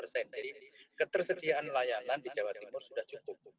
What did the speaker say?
jadi ketersediaan layanan di jawa timur sudah cukup